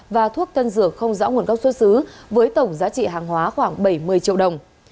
và thuốc tân dược không rõ nguồn gốc xuất xứ với tổng giá trị hàng hóa khoảng bảy mươi triệu đồng